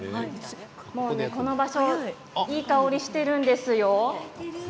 この場所、すごくいい香りがしているんですよ。